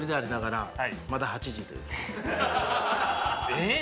えっ！